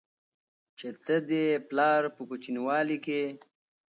چې ته دې پلار په کوچينوالي کې